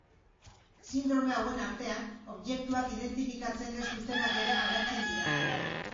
Sindrome hauen artean, objektuak identifikatzen ez dutenak ere agertzen dira.